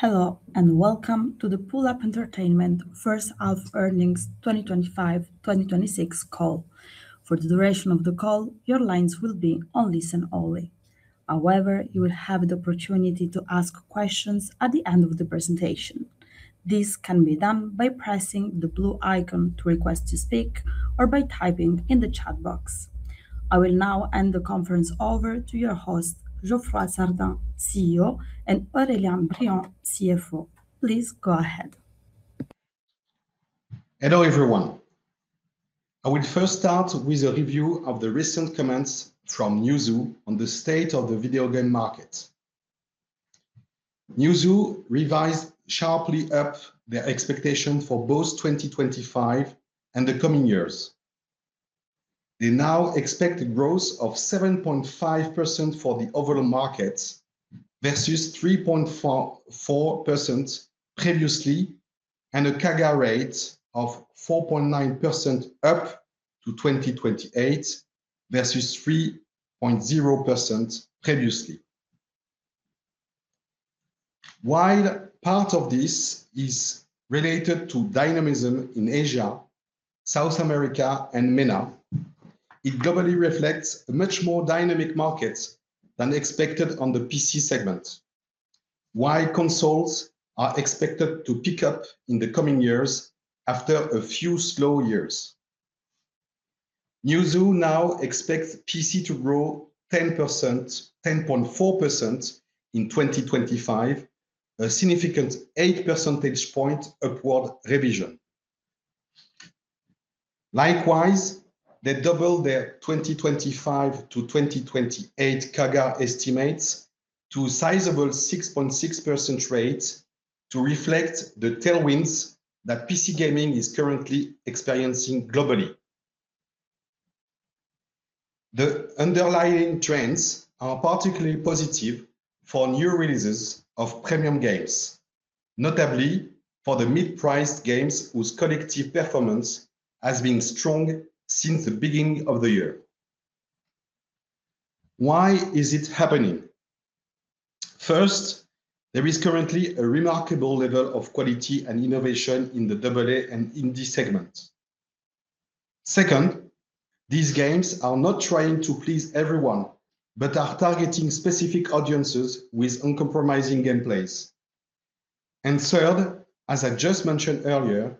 Hello and welcome to the PulluP Entertainment First Half Earnings 2025-2026 call. For the duration of the call, your lines will be on listen only. However, you will have the opportunity to ask questions at the end of the presentation. This can be done by pressing the blue icon to request to speak or by typing in the chat box. I will now hand the conference over to your host, Geoffroy Sardin, CEO, and Aurélien Briand, CFO. Please go ahead. Hello everyone. I will first start with a review of the recent comments from Newzoo on the state of the video game market. Newzoo revised sharply up their expectations for both 2025 and the coming years. They now expect a growth of 7.5% for the overall market versus 3.4% previously and a CAGR rate of 4.9% up to 2028 versus 3.0% previously. While part of this is related to dynamism in Asia, South America, and MENA, it globally reflects a much more dynamic market than expected on the PC segment, while consoles are expected to pick up in the coming years after a few slow years. Newzoo now expects PC to grow 10.4% in 2025, a significant eiight percentage point upward revision. Likewise, they doubled their 2025 to 2028 CAGR estimates to a sizable 6.6% rate to reflect the tailwinds that PC gaming is currently experiencing globally. The underlying trends are particularly positive for new releases of premium games, notably for the mid-priced games whose collective performance has been strong since the beginning of the year. Why is it happening? First, there is currently a remarkable level of quality and innovation in the AA and indie segment. Second, these games are not trying to please everyone but are targeting specific audiences with uncompromising gameplays, and third, as I just mentioned earlier,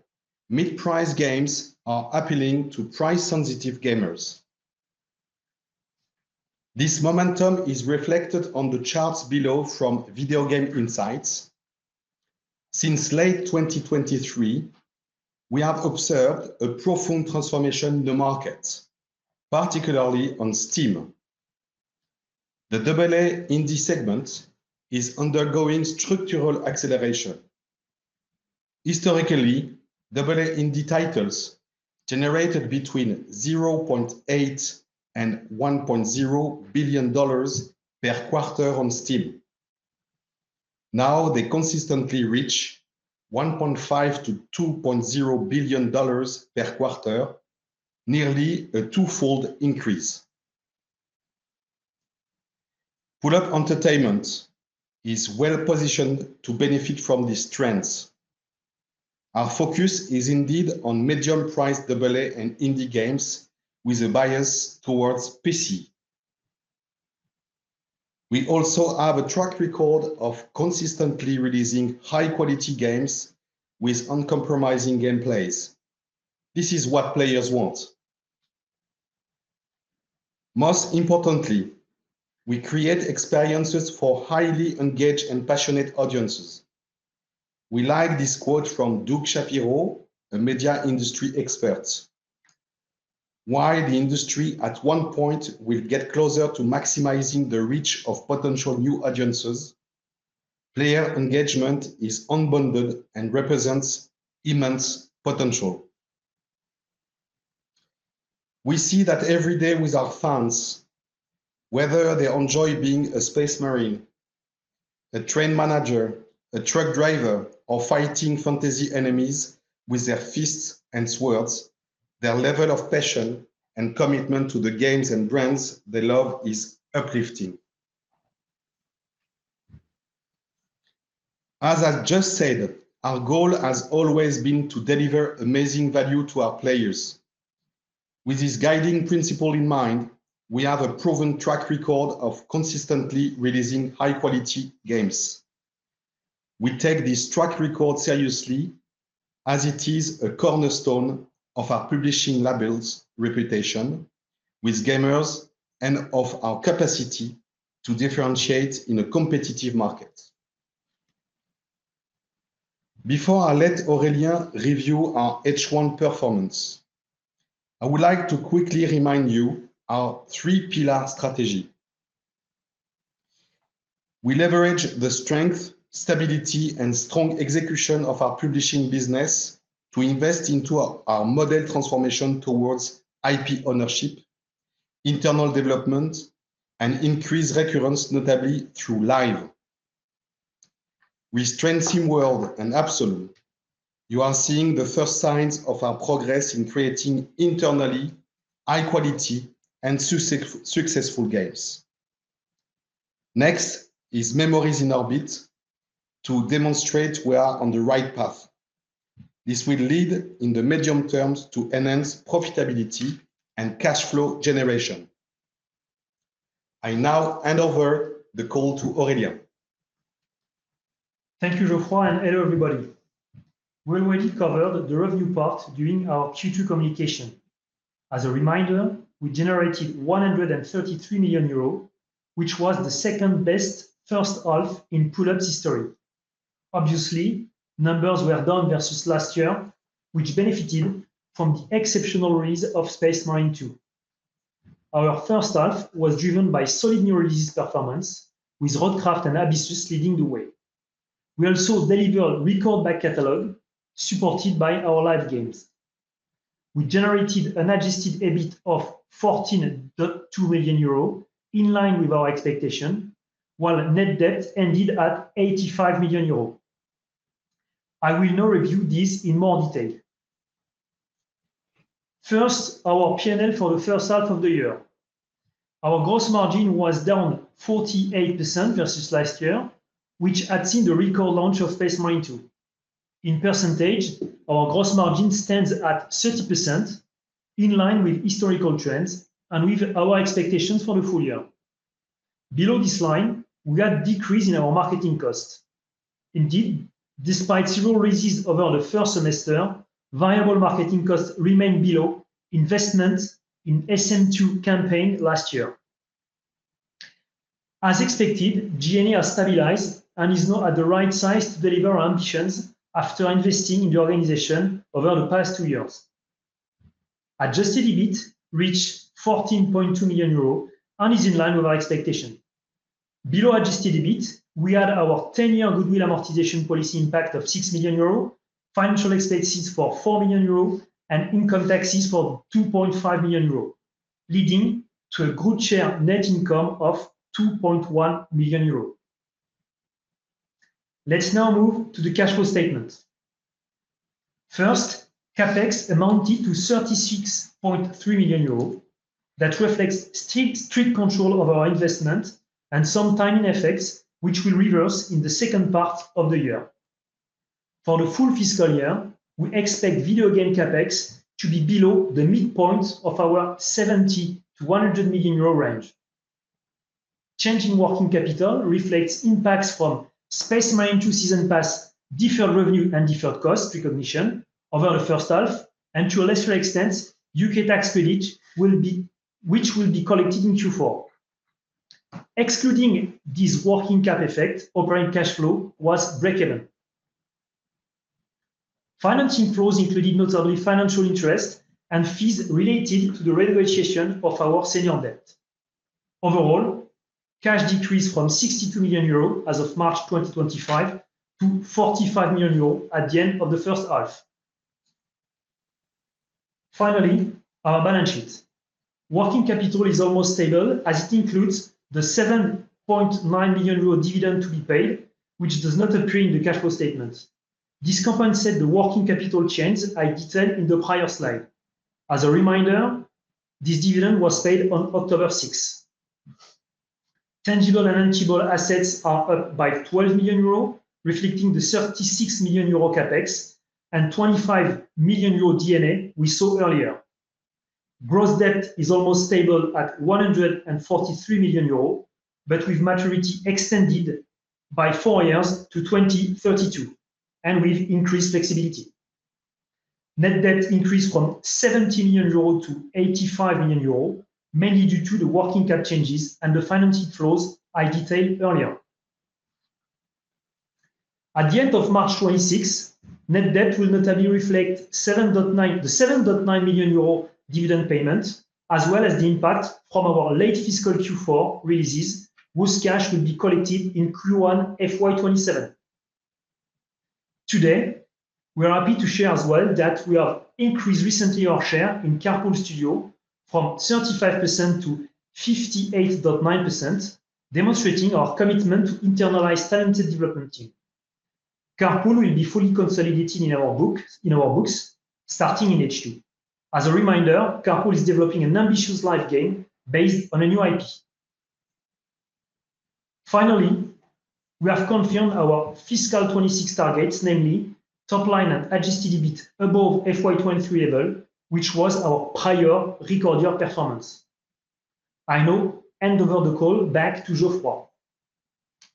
mid-price games are appealing to price-sensitive gamers. This momentum is reflected on the charts below from Video Game Insights. Since late 2023, we have observed a profound transformation in the market, particularly on Steam. The AA indie segment is undergoing structural acceleration. Historically, AA indie titles generated between $0.8 and $1.0 billion per quarter on Steam. Now they consistently reach $1.5 billion-$2.0 billion per quarter, nearly a twofold increase. PulluP Entertainment is well positioned to benefit from these trends. Our focus is indeed on medium-priced AA and indie games with a bias towards PC. We also have a track record of consistently releasing high-quality games with uncompromising gameplays. This is what players want. Most importantly, we create experiences for highly engaged and passionate audiences. We like this quote from Doug Shapiro, a media industry expert: "While the industry at one point will get closer to maximizing the reach of potential new audiences, player engagement is unbounded and represents immense potential." We see that every day with our fans, whether they enjoy being a space marine, a train manager, a truck driver, or fighting fantasy enemies with their fists and swords, their level of passion and commitment to the games and brands they love is uplifting. As I just said, our goal has always been to deliver amazing value to our players. With this guiding principle in mind, we have a proven track record of consistently releasing high-quality games. We take this track record seriously, as it is a cornerstone of our publishing label's reputation with gamers and of our capacity to differentiate in a competitive market. Before I let Aurélien review our H1 performance, I would like to quickly remind you of our three-pillar strategy. We leverage the strength, stability, and strong execution of our publishing business to invest into our model transformation towards IP ownership, internal development, and increased recurrence, notably through live. With Train Sim World and Absolum, you are seeing the first signs of our progress in creating internally high-quality and successful games. Next is Memories in Orbit to demonstrate we are on the right path. This will lead, in the medium term, to enhanced profitability and cash flow generation. I now hand over the call to Aurélien. Thank you, Geoffroy, and hello, everybody. We already covered the revenue part during our Q2 communication. As a reminder, we generated 133 million euros, which was the second-best first half in PulluP's history. Obviously, numbers were down versus last year, which benefited from the exceptional release of Space Marine 2. Our first half was driven by solid new releases performance, with RoadCraft and Abyssus leading the way. We also delivered a record back catalog supported by our live games. We generated an adjusted EBIT of 14.2 million euro in line with our expectation, while net debt ended at 85 million euro. I will now review this in more detail. First, our P&L for the first half of the year. Our gross margin was down 48% versus last year, which had seen the record launch of Space Marine 2. In percentage, our gross margin stands at 6%, in line with historical trends and with our expectations for the full year. Below this line, we had a decrease in our marketing cost. Indeed, despite several releases over the first semester, variable marketing costs remained below investment in the SM2 campaign last year. As expected, G&E has stabilized and is now at the right size to deliver our ambitions after investing in the organization over the past two years. Adjusted EBIT reached 14.2 million euros and is in line with our expectation. Below adjusted EBIT, we had our 10-year goodwill amortization policy impact of 6 million euros, financial expenses for 4 million euros, and income taxes for 2.5 million euros, leading to a group share net income of 2.1 million euros. Let's now move to the cash flow statement. First, CapEx amounted to 36.3 million euros. That reflects strict control of our investment and some timing effects, which will reverse in the second part of the year. For the full fiscal year, we expect video game CapEx to be below the midpoint of our 70-100 million euro range. Changing working capital reflects impacts from Space Marine 2 Season Pass deferred revenue and deferred cost recognition over the first half, and to a lesser extent, UK tax credit, which will be collected in Q4. Excluding this working cap effect, operating cash flow was breakeven. Financing flows included notably financial interest and fees related to the renegotiation of our senior debt. Overall, cash decreased from 62 million euros as of March 2025 to 45 million euros at the end of the first half. Finally, our balance sheet. Working capital is almost stable as it includes the 7.9 million euro dividend to be paid, which does not appear in the cash flow statement. This compounds set the working capital change I detailed in the prior slide. As a reminder, this dividend was paid on October 6. Tangible and intangible assets are up by 12 million euro, reflecting the 36 million euro CapEx and 25 million euro D&A we saw earlier. Gross debt is almost stable at 143 million euro, but with maturity extended by four years to 2032 and with increased flexibility. Net debt increased from 70 million euros to 85 million euros, mainly due to the working cap changes and the financing flows I detailed earlier. At the end of March 2026, net debt will notably reflect the 7.9 million euro dividend payment, as well as the impact from our late fiscal Q4 releases, whose cash will be collected in Q1 FY 2027. Today, we are happy to share as well that we have increased recently our share in Carpool Studio from 35% to 58.9%, demonstrating our commitment to internalize talented development team. Carpool will be fully consolidated in our books starting in H2. As a reminder, Carpool is developing an ambitious live game based on a new IP. Finally, we have confirmed our fiscal 2026 targets, namely top line and adjusted EBIT above FY 2023 level, which was our prior record year performance. I now hand over the call back to Geoffroy.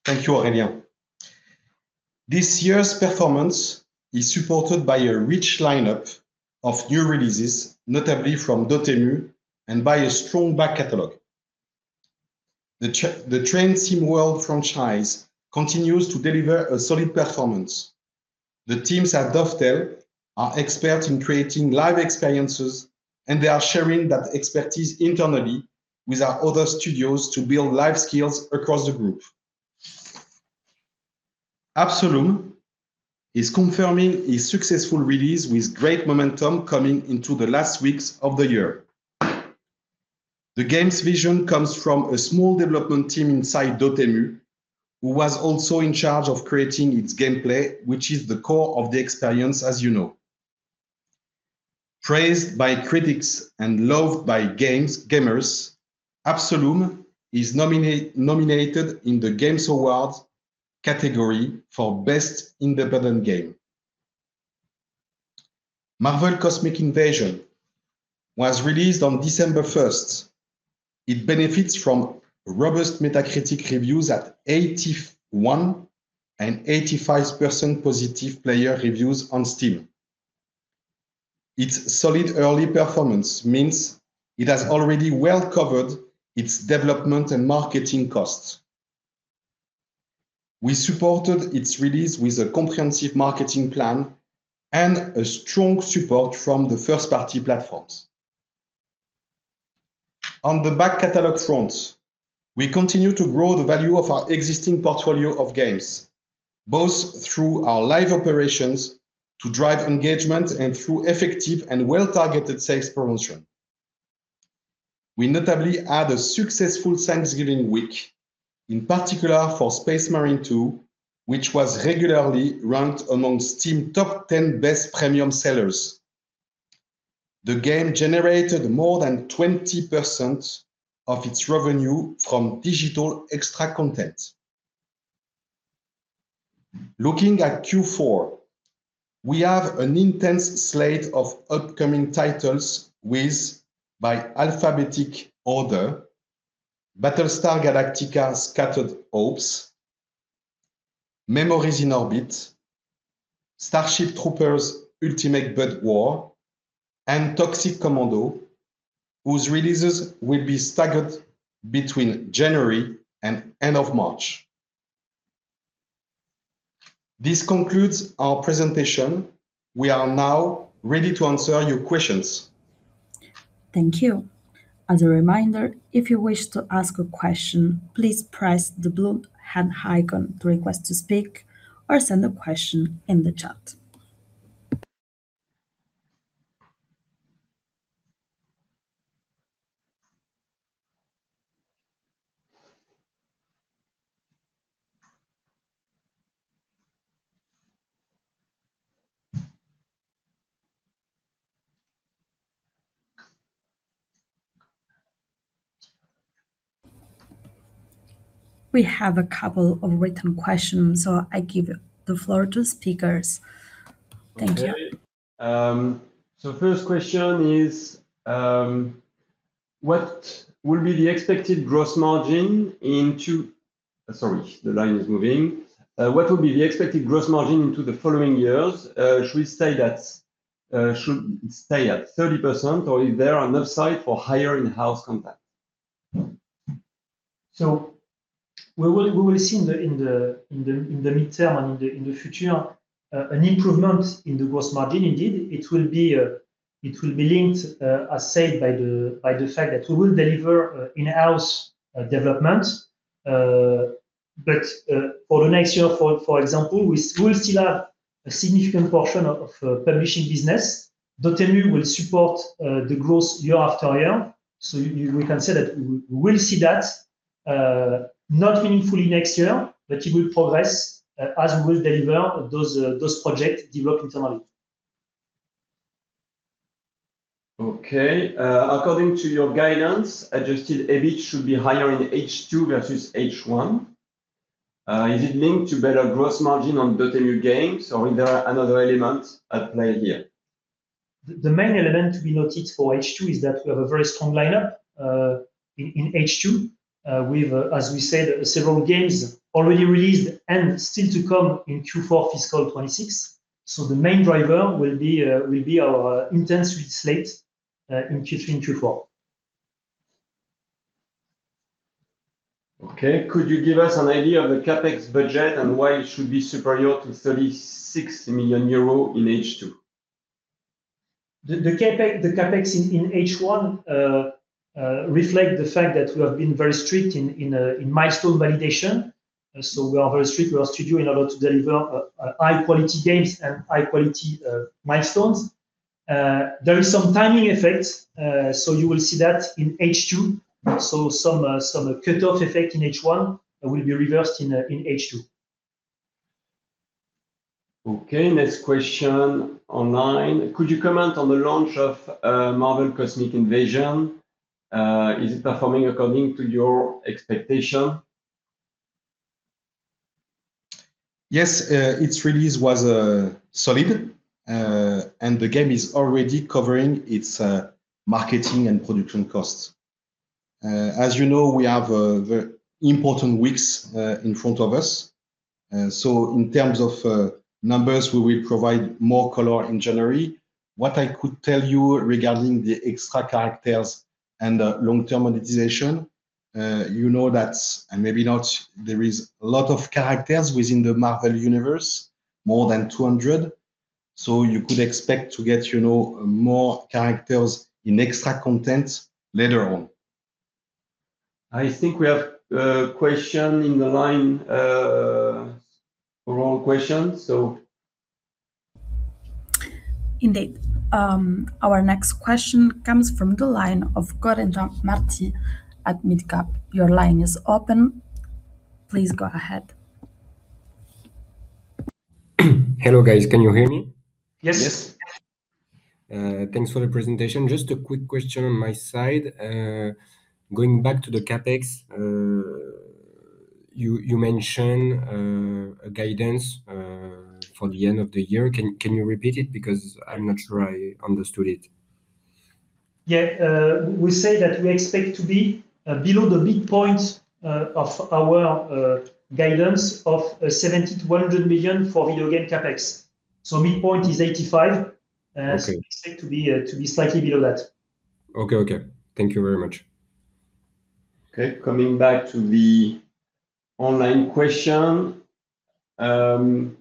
Thank you, Aurélien. This year's performance is supported by a rich lineup of new releases, notably from Dotemu and by a strong back catalog. The Train Sim World franchise continues to deliver a solid performance. The teams at Dovetail are experts in creating live experiences, and they are sharing that expertise internally with our other studios to build live skills across the group. Absolum is confirming a successful release with great momentum coming into the last weeks of the year. The game's vision comes from a small development team inside Dotemu, who was also in charge of creating its gameplay, which is the core of the experience, as you know. Praised by critics and loved by gamers, Absolum is nominated in the Game Awards category for Best Independent Game. MARVEL Cosmic Invasion was released on December 1. It benefits from robust Metacritic reviews at 81% and 85% positive player reviews on Steam. Its solid early performance means it has already well covered its development and marketing costs. We supported its release with a comprehensive marketing plan and a strong support from the first-party platforms. On the back catalog front, we continue to grow the value of our existing portfolio of games, both through our live operations to drive engagement and through effective and well-targeted sales promotion. We notably had a successful Thanksgiving week, in particular for Space Marine 2, which was regularly ranked among Steam's top 10 best premium sellers. The game generated more than 20% of its revenue from digital extra content. Looking at Q4, we have an intense slate of upcoming titles with, by alphabetic order, Battlestar Galactica: Scattered Hopes, Memories in Orbit, Starship Troopers, Ultimate Bug War, and Toxic Commando, whose releases will be staggered between January and end of March. This concludes our presentation. We are now ready to answer your questions. Thank you. As a reminder, if you wish to ask a question, please press the blue hand icon to request to speak or send a question in the chat. We have a couple of written questions, so I give the floor to speakers. Thank you. So first question is, what will be the expected gross margin in to... Sorry, the line is moving. What will be the expected gross margin into the following years? Should we say that it should stay at 30%, or is there an upside for higher in-house content? So we will see in the midterm and in the future an improvement in the gross margin. Indeed, it will be linked, as said, by the fact that we will deliver in-house development. But for the next year, for example, we will still have a significant portion of publishing business. Dotemu will support the growth year after year. So we can say that we will see that not meaningfully next year, but it will progress as we will deliver those projects developed internally. Okay. According to your guidance, Adjusted EBIT should be higher in H2 versus H1. Is it linked to better gross margin on Dotemu games, or is there another element at play here? The main element to be noted for H2 is that we have a very strong lineup in H2 with, as we said, several games already released and still to come in Q4 fiscal 2026, so the main driver will be our intense release slate in Q3 and Q4. Okay. Could you give us an idea of the CapEx budget and why it should be superior to 36 million euros in H2? The CapEx in H1 reflects the fact that we have been very strict in milestone validation. So we are very strict with our studio in order to deliver high-quality games and high-quality milestones. There is some timing effect, so you will see that in H2. So some cutoff effect in H1 will be reversed in H2. Okay. Next question online. Could you comment on the launch of MARVEL Cosmic Invasion? Is it performing according to your expectation? Yes, its release was solid, and the game is already covering its marketing and production costs. As you know, we have very important weeks in front of us. So in terms of numbers, we will provide more color in January. What I could tell you regarding the extra characters and long-term monetization, you know that, and maybe not, there is a lot of characters within the Marvel Universe, more than 200. So you could expect to get more characters in extra content later on. I think we have a question in the line for all questions, so. Indeed. Our next question comes from the line of Corentin Marty at Midcap. Your line is open. Please go ahead. Hello, guys. Can you hear me? Yea. Thanks for the presentation. Just a quick question on my side. Going back to the CapEx, you mentioned a guidance for the end of the year. Can you repeat it? Because I'm not sure I understood it. Yeah. We say that we expect to be below the midpoint of our guidance of 70-100 million for video game CapEx. So midpoint is 85. We expect to be slightly below that. Okay. Okay. Thank you very much. Okay. Coming back to the online question. Currently,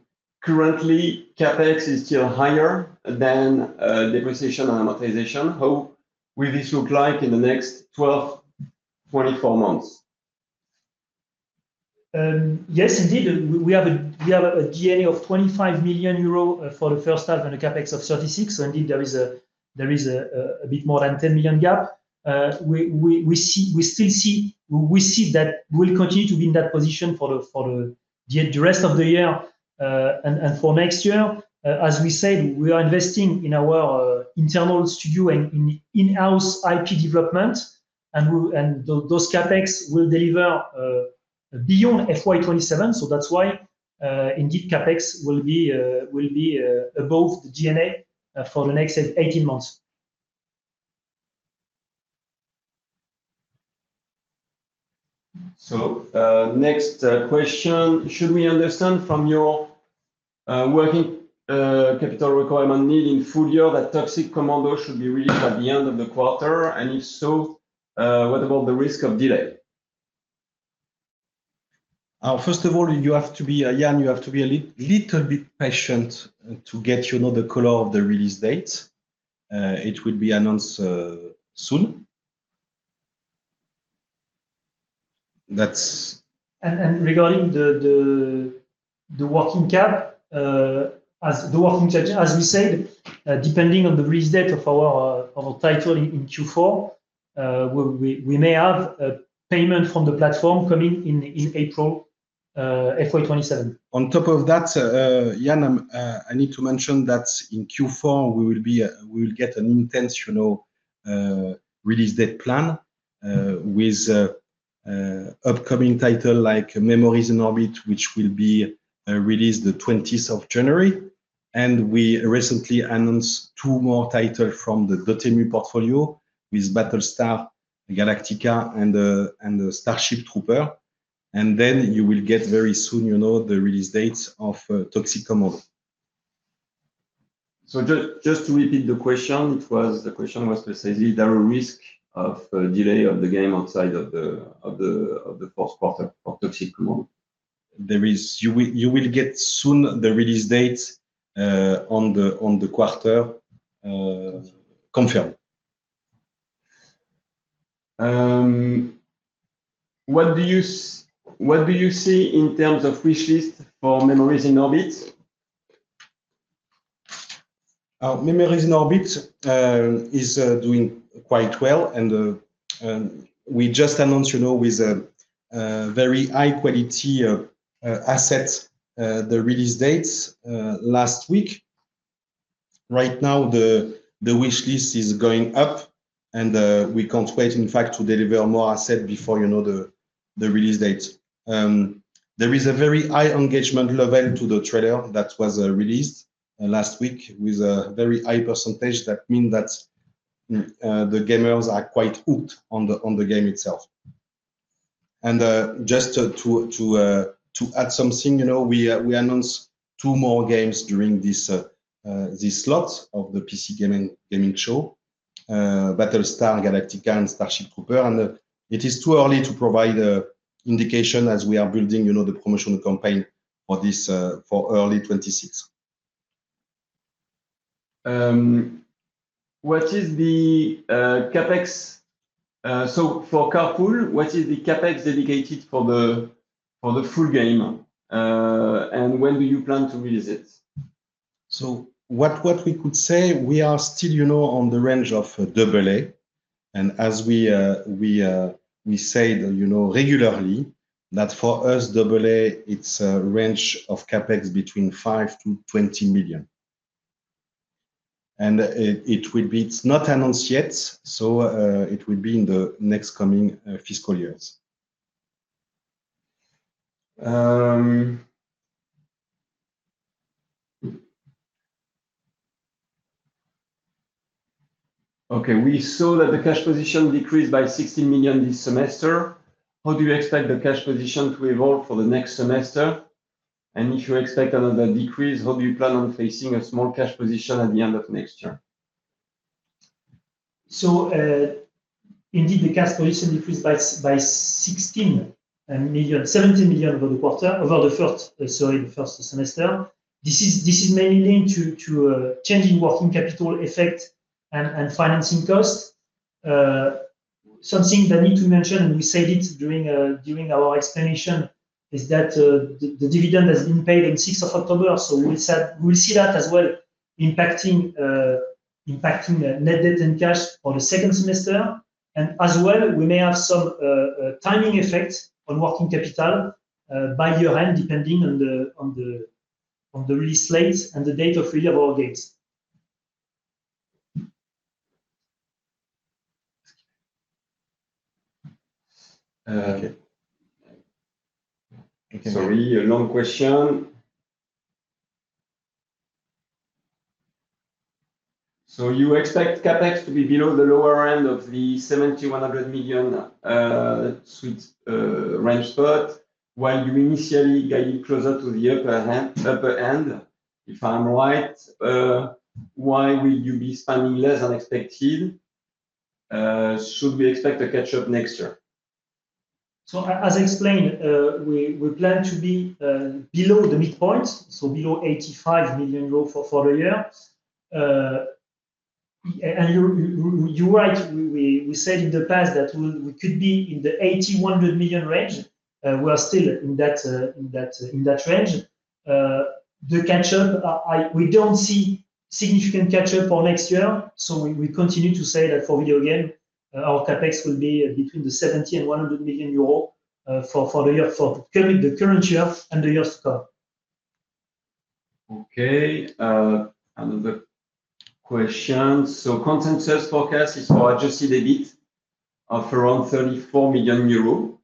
CapEx is still higher than depreciation and amortization. How will this look like in the next 12 months-24 months? Yes, indeed. We have a D&A of 25 million euro for the first half and a CapEx of 36. So indeed, there is a bit more than 10 million gap. We still see that we'll continue to be in that position for the rest of the year and for next year. As we said, we are investing in our internal studio and in-house IP development, and those CapEx will deliver beyond FY 2027. So that's why, indeed, CapEx will be above the D&A for the next 18 months. So, next question. Should we understand from your working capital requirement need in full year that Toxic Commando should be released at the end of the quarter? And if so, what about the risk of delay? First of all, you have to be aware, and you have to be a little bit patient to get the color of the release date. It will be announced soon. That's... Regarding the working cap, as we said, depending on the release date of our title in Q4, we may have payment from the platform coming in April FY 2027. On top of that, yeah, I need to mention that in Q4, we will get an intense release date plan with upcoming titles like Memories in Orbit, which will be released the 20th of January. We recently announced two more titles from the Dotemu portfolio with Battlestar Galactica Starship Troopers. then you will get very soon the release dates of Toxic Commando. So just to repeat the question, the question was precisely, is there a risk of delay of the game outside of the fourth quarter for Toxic Commando? There is. You will get soon the release date on the quarter confirmed. What do you see in terms of wish list for Memories in Orbit? Memories in Orbit is doing quite well, and we just announced with a very high-quality asset the release dates last week. Right now, the wish list is going up, and we can't wait, in fact, to deliver more asset before the release date. There is a very high engagement level to the trailer that was released last week with a very high percentage. That means that the gamers are quite hooked on the game itself, and just to add something, we announced two more games during this slot of the PC Gaming Show, Battlestar Galactica Starship Troopers, and it is too early to provide an indication as we are building the promotional campaign for this for early 2026. What is the CapEx? So for Carpool, what is the CapEx dedicated for the full game? And when do you plan to release it? What we could say, we are still on the range of AA. And as we say regularly that for us, AA, it's a range of CapEx between 5-20 million. And it's not announced yet, so it will be in the next coming fiscal years. Okay. We saw that the cash position decreased by 16 million this semester. How do you expect the cash position to evolve for the next semester? And if you expect another decrease, how do you plan on facing a small cash position at the end of next year? So, indeed, the cash position decreased by 16 million, 17 million over the first, sorry, the first semester. This is mainly linked to changing working capital effect and financing costs. Something that need to mention, and we said it during our explanation, is that the dividend has been paid on 6th of October. So we will see that as well impacting net debt and cash for the second semester. And as well, we may have some timing effect on working capital by year-end, depending on the release slate and the date of release of our games. Okay. Sorry, long question. So you expect CapEx to be below the lower end of the 70-100 million range spot while you initially closer to the upper end, if I'm right? Why will you be spending less than expected? Should we expect a catch-up next year? So as I explained, we plan to be below the midpoint, so below 85 million euro for the year. And you're right. We said in the past that we could be in the 80-100 million range. We are still in that range. The catch-up, we don't see significant catch-up for next year. So we continue to say that for video game, our CapEx will be between 70 million and 100 million euro for the year, for the current year and the years to come. Okay. Another question. So consensus forecast is for adjusted EBIT of around 34 million euros.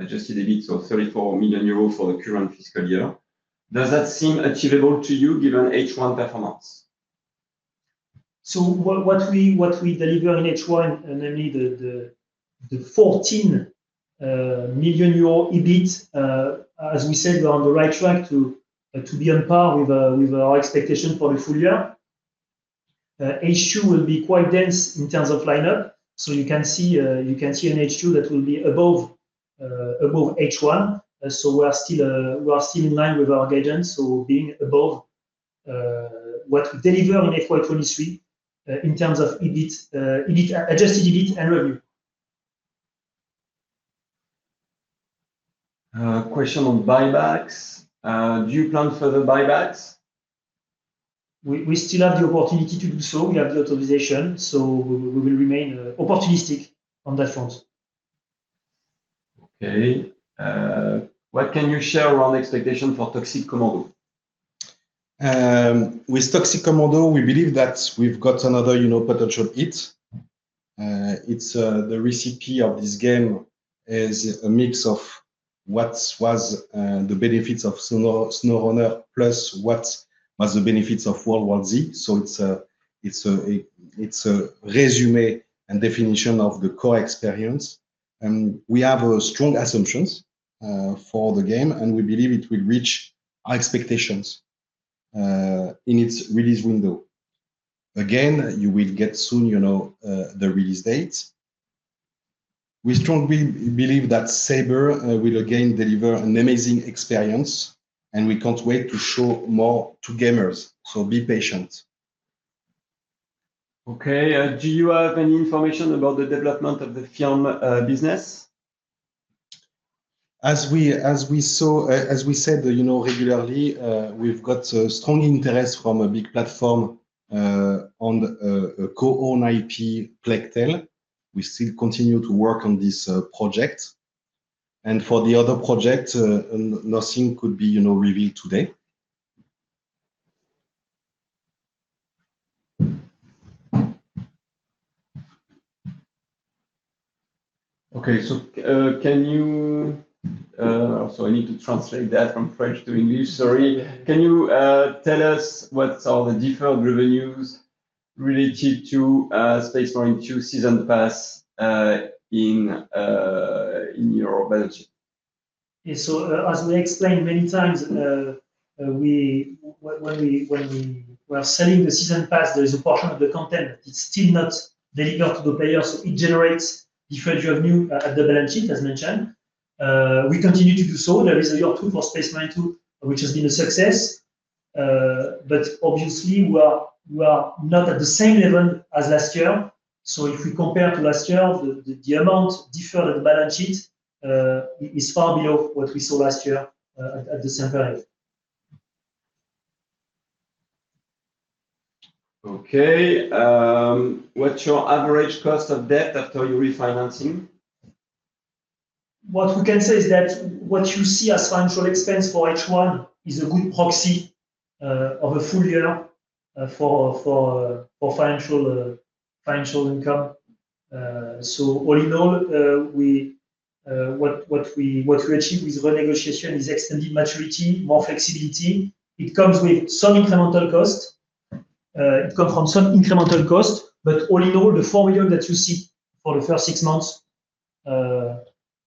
Adjusted EBIT of 34 million euros for the current fiscal year. Does that seem achievable to you given H1 performance? What we deliver in H1, namely the 14 million euro EBIT, as we said, we're on the right track to be on par with our expectation for the full year. H2 will be quite dense in terms of lineup. You can see an H2 that will be above H1. We are still in line with our guidance, being above what we deliver in FY 2023 in terms of adjusted EBIT and revenue. Question on buybacks. Do you plan further buybacks? We still have the opportunity to do so. We have the authorization. So we will remain opportunistic on that front. Okay. What can you share around expectation for Toxic Commando? With Toxic Commando, we believe that we've got another potential hit. The recipe of this game is a mix of what was the benefits of SnowRunner plus what was the benefits of World War Z. So it's a résumé and definition of the core experience. And we have strong assumptions for the game, and we believe it will reach our expectations in its release window. Again, you will get soon the release dates. We strongly believe that Saber will again deliver an amazing experience, and we can't wait to show more to gamers. So be patient. Okay. Do you have any information about the development of the film business? As we said regularly, we've got strong interest from a big platform on co-own IP, A Plague Tale. We still continue to work on this project. And for the other project, nothing could be revealed today. Okay. I need to translate that from French to English. Sorry. Can you tell us what are the different revenues related to Space Marine 2 Season Pass in your balance sheet? Yeah, so as we explained many times, when we are selling the Season Pass, there is a portion of the content that is still not delivered to the players, so it generates different revenue at the balance sheet, as mentioned. We continue to do so. There is a year two for Space Marine 2, which has been a success, but obviously, we are not at the same level as last year, so if we compare to last year, the amount deferred at the balance sheet is far below what we saw last year at the same price. Okay. What's your average cost of debt after your refinancing? What we can say is that what you see as financial expense for H1 is a good proxy of a full year for financial income. So all in all, what we achieve with renegotiation is extended maturity, more flexibility. It comes with some incremental cost. It comes from some incremental cost. But all in all, the 4 million that you see for the first six months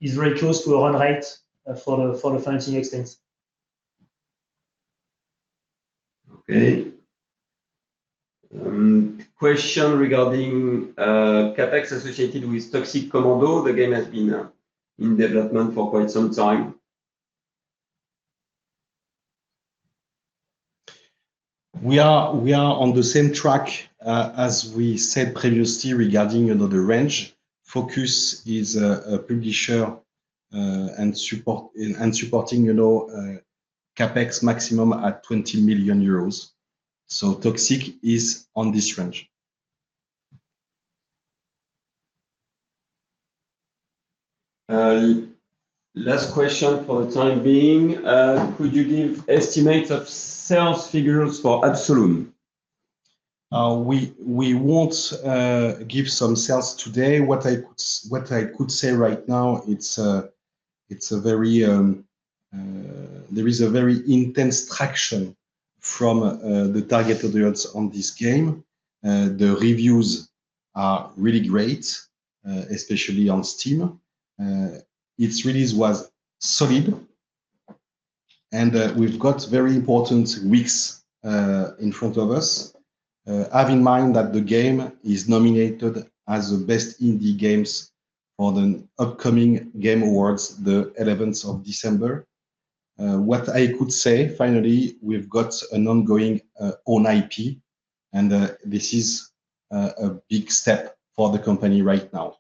is very close to a run rate for the financing extent. Okay. Question regarding CapEx associated with Toxic Commando. The game has been in development for quite some time. We are on the same track as we said previously regarding the range. Focus is a publisher and supporting CapEx maximum at 20 million euros. So Toxic is on this range. Last question for the time being. Could you give estimates of sales figures for Absolum? We won't give some sales today. What I could say right now, there is a very intense traction from the target audience on this game. The reviews are really great, especially on Steam. Its release was solid. And we've got very important weeks in front of us. Have in mind that the game is nominated as the best indie games for the upcoming Game Awards the 11th of December. What I could say, finally, we've got an ongoing own IP. And this is a big step for the company right now.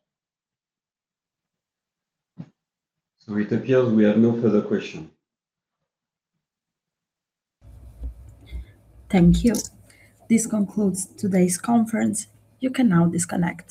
So it appears we have no further questions. Thank you. This concludes today's conference. You can now disconnect.